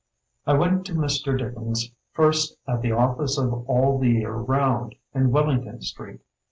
"I went to Mr. Dickens's first at the office of 'All the Year Round' in Wel lington Street.